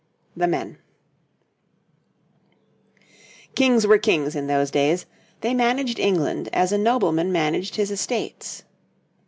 THE MEN Kings were Kings in those days; they managed England as a nobleman managed his estates.